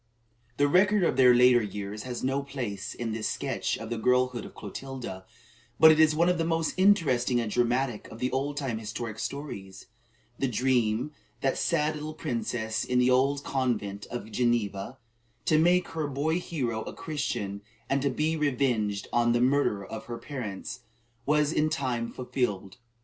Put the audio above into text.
The record of their later years has no place in this sketch of the girlhood of Clotilda; but it is one of the most interesting and dramatic of the old time historic stories. The dream of that sad little princess in the old convent at Geneva, "to make her boy hero a Christian, and to be revenged on the murderer of her parents," was in time fulfilled.